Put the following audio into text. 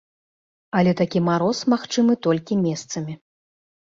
Але такі мароз магчымы толькі месцамі.